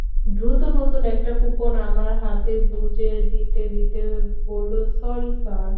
দ্রুত নতুন একটা কুপন আমার হাতে গুঁজে দিতে দিতে বলল, সরি স্যার।